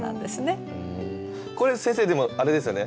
これ先生でもあれですよね？